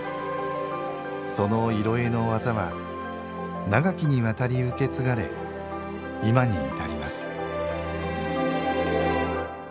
その色絵の技は長きにわたり受け継がれ、今に至ります。